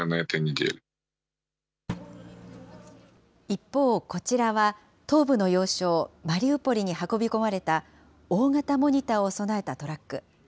一方、こちらは東部の要衝、マリウポリに運び込まれた大型モニターを備えたトラック。